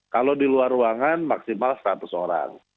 kalau di luar ruangan maksimal seratus orang